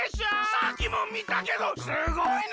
さっきもみたけどすごいね！